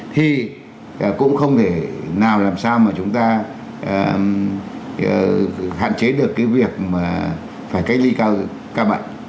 thì cũng không thể nào làm sao mà chúng ta hạn chế được cái việc mà phải cách ly cao ca bệnh